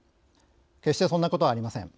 決して、そんなことはありません。